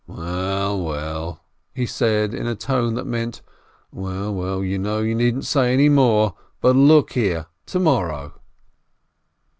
"Well, well," he said, in a tone that meant "Well, well, I know, you needn't say any more, but look here, to morrow